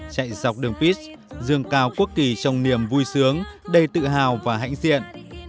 chạy dọc đường pitch dường cao quốc kỳ trong niềm vui sướng đầy tự hào và hãnh diện